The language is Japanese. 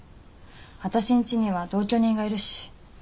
私んちには同居人がいるし。